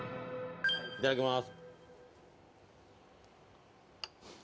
いただきます